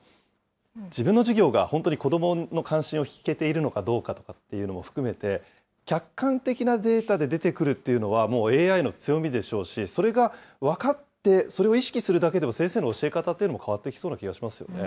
自分の授業が、本当に子どもの関心を引けているのかどうかというのも含めて、客観的なデータで出てくるっていうのは、もうＡＩの強みでしょうし、それが分かって、それを意識するだけでも先生の教え方というのも変わっていきそうな気もしますよね。